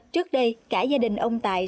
trước đây cả gia đình ông tài